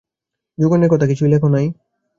যোগেনের কথা কিছুই লেখ নাই।